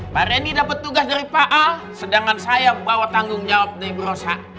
pak reni dapet tugas dari pak al sedangkan saya bawa tanggung jawab dari bu rosa